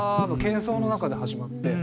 喧騒の中で始まって。